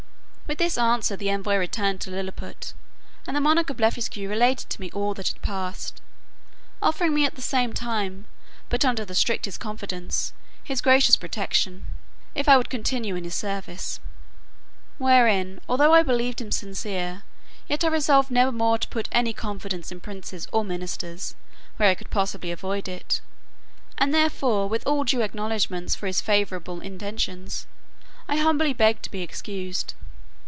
With this answer the envoy returned to Lilliput; and the monarch of Blefuscu related to me all that had passed; offering me at the same time (but under the strictest confidence) his gracious protection, if I would continue in his service; wherein, although I believed him sincere, yet I resolved never more to put any confidence in princes or ministers, where I could possibly avoid it; and therefore, with all due acknowledgments for his favourable intentions, I humbly begged to be excused.